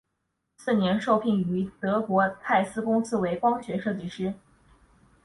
次年受聘于德国蔡司公司为光学设计师。